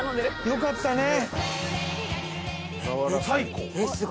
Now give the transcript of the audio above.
よかったね。